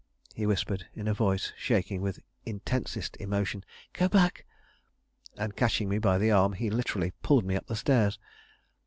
he whispered, in a voice shaking with intensest emotion, "go back." And catching me by the arm, he literally pulled me up the stairs.